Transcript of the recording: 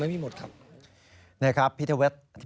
ไม่มีหมดครับผมว่าออกเลยว่าไม่มีหมดครับ